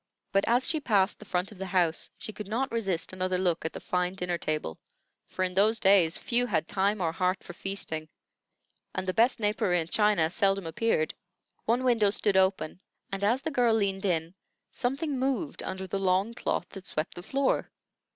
But as she passed the front of the house, she could not resist another look at the fine dinner table; for in those days few had time or heart for feasting, and the best napery and china seldom appeared. One window stood open, and as the girl leaned in, something moved under the long cloth that swept the floor.